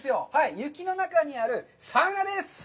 雪の中にあるサウナです！